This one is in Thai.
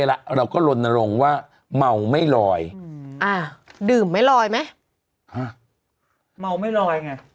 หรอแต่ว่าดื่มได้แต่ห้ามเมาแองเนี่ย